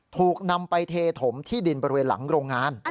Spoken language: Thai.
ถูกนำไปเทถมที่ดินบริเวณหลังโรงงาน